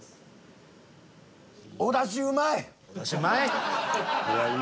おだしうまい！